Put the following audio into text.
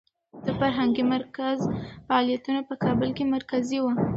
د فرهنګي مرکز فعالیتونه په کابل کې مرکزي و.